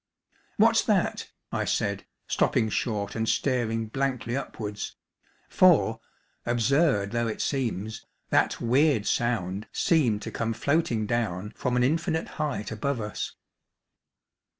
"What's that?" I said, stopping short and staring blankly upwards, for, absurd though it seems, that weird sound seemed to come floating down from an infinite height above us.